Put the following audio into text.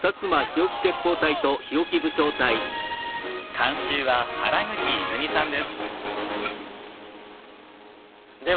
監修は原口泉さんです。